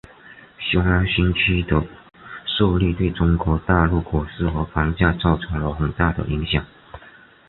雄安新区的设立对中国大陆股市和房价造成了很大的影响。